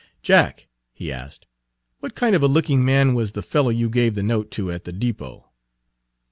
"Jack," he asked, "what kind of a looking man was the fellow you gave the note to at the depot?"